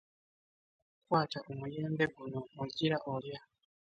Kwata omuyembe guno ogira olya.